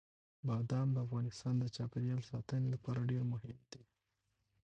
بادام د افغانستان د چاپیریال ساتنې لپاره ډېر مهم دي.